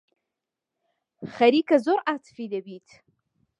خەریکە زۆر عاتیفی دەبیت.